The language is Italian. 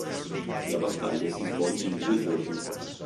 La battaglia si svolge in due giorni.